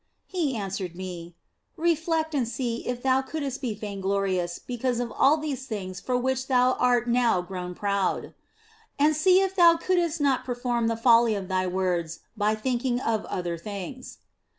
He answered me, " Reflect and see if thou couldst be vainglorious because of all these things for the which thou art now grown proud ; and see if thou couldst not per ceive the folly of thy words by thinking of other things."